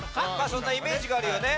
そんなイメージがあるよね。